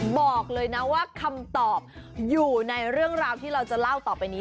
บอกเลยนะว่าคำตอบอยู่ในเรื่องราวที่เราจะเล่าต่อไปนี้